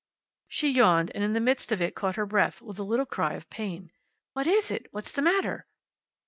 She yawned, and in the midst of it caught her breath with a little cry of pain. "What is it? What's the matter?"